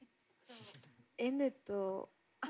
「Ｎ」と。